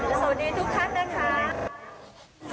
โอ้โหน่าน่าน่าโอ้โห